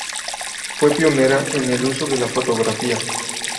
Fue pionera en el uso de la fotografía.